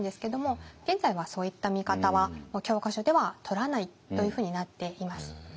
現在はそういった見方はもう教科書ではとらないというふうになっています。